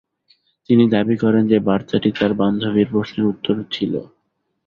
তিনি দাবি করেন যে বার্তাটি তার বান্ধবীর প্রশ্নের উত্তরে ছিল।